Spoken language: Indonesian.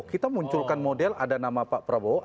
kita munculkan model ada nama pak prabowo